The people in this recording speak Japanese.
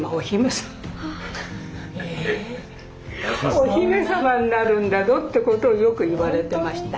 お姫様になるんだどってことをよく言われてました。